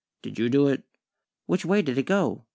"Did you do it?" "Which way did it go?"